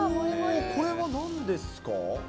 これはなんですか？